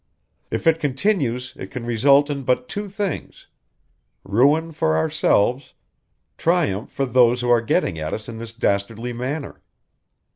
If it continues it can result in but two things ruin for ourselves, triumph for those who are getting at us in this dastardly manner.